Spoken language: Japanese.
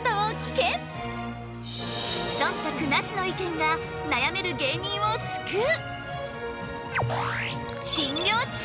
そんたくなしの意見が悩める芸人を救う！